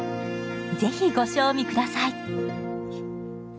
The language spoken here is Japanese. ぜひご賞味ください。